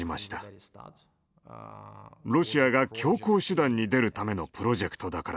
ロシアが強硬手段に出るためのプロジェクトだからです。